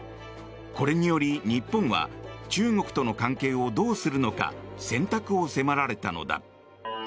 これにより日本は中国との関係をどうするのか選択を迫られたのだ。